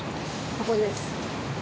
ここです